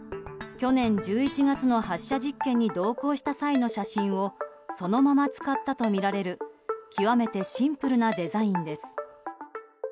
去年１１月の発射実験に同行した際の写真をそのまま使ったとみられる極めてシンプルなデザインです。